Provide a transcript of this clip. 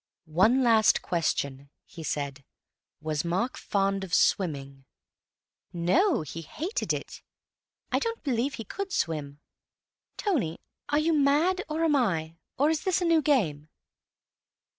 "One last question," he said. "Was Mark fond of swimming?" "No, he hated it. I don't believe he could swim. Tony, are you mad, or am I? Or is this a new game?"